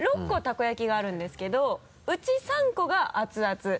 ６個たこ焼きがあるんですけど内３個が熱々。